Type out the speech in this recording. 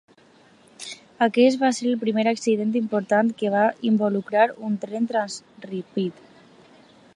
Aquest va ser el primer accident important que va involucrar un tren Transrapid.